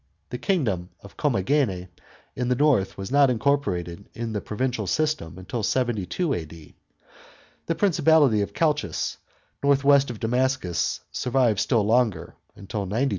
The kingdom of Commagene in the north was not incorporated in the provincial system until 72 A.D. The prin cipality of Chalcis, north west of Damascus, survived still longer, (until 92 A.